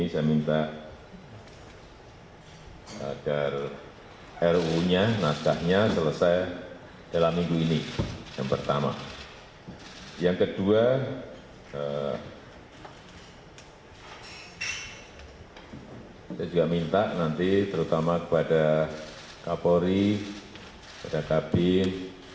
saya juga minta nanti terutama kepada kapolri kepada kabin